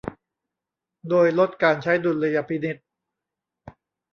โดยลดการใช้ดุลยพินิจ